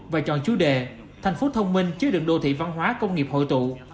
và chọn chú đề thành phố thông minh chứa đường đô thị văn hóa công nghiệp hội tụ